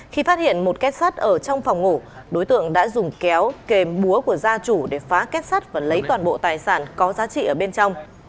khi phát hiện một kết sắt ở trong phòng ngủ đối tượng đã dùng kéo kềm búa của gia chủ để phá kết sắt và lấy toàn bộ tài sản có giá trị ở bên trong